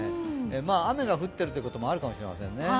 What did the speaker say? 雨が降っているということもあるかもしれませんね。